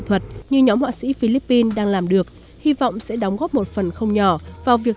thuật như nhóm họa sĩ philippines đang làm được hy vọng sẽ đóng góp một phần không nhỏ vào việc